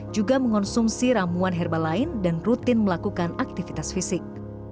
juga mengonsumsi ramuan herbal lain dan rutin melakukan aktivitas fisik